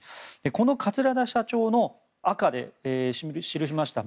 この桂田社長の赤で記しました